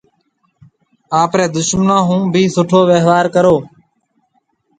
آپرَي دُشمنون هون ڀِي سُٺو ويهوار ڪرو۔